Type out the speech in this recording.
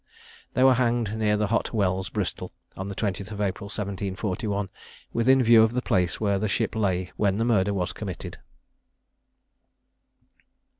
They were hanged near the Hot Wells, Bristol, on the 20th of April, 1741, within view of the place where the ship lay when the murder was committed.